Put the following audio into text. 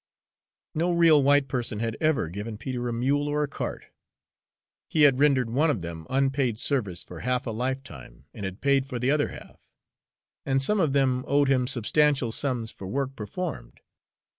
No real white person had ever given Peter a mule or a cart. He had rendered one of them unpaid service for half a lifetime, and had paid for the other half; and some of them owed him substantial sums for work performed.